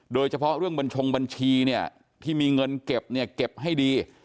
โดยเฉพาะเรื่องบัญชงบัญชีเนี่ยที่มีเงินเก็บเนี่ยเก็บให้ดี